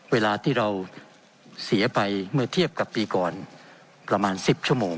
เวลาที่เราเสียไปเมื่อเทียบกับปีก่อนประมาณ๑๐ชั่วโมง